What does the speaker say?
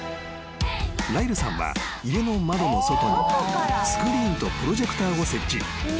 ［ライルさんは家の窓の外にスクリーンとプロジェクターを設置］